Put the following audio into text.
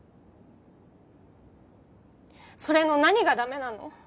それの何がダメなの？